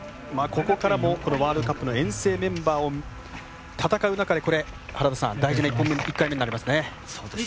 ここからも、ワールドカップの遠征メンバーを戦う中でこれ、大事な１回目になりますね。